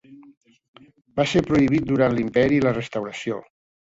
Va ser prohibit durant l'Imperi i la Restauració.